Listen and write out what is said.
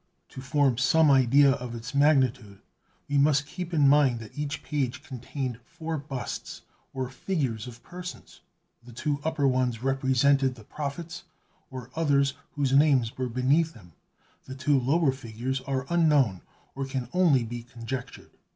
To form some idea of its magnitude, we must keep in mind that each page contained four busts, or figures of persons; the two upper ones represented the prophets, or others whose names were beneath them; the two lower figures are unknown, or can only be conjectured.